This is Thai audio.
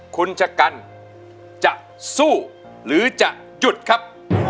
คุณชะกันจะสู้หรือจะหยุดครับ